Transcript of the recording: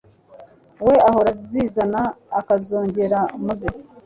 we ahora azizana akazongera mu ze